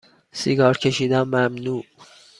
سیگار کشیدن ممنوع